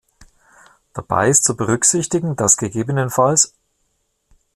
Dabei ist zu berücksichtigen, dass ggf.